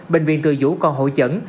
bệnh viện từ dũ còn hội chẩn